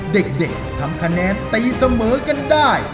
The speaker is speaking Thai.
เด็กทำคะแนนตีเสมอกันได้